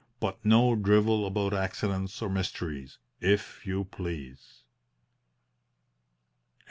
But no drivel about accidents or mysteries, if you please." VI.